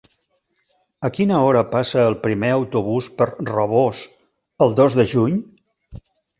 A quina hora passa el primer autobús per Rabós el dos de juny?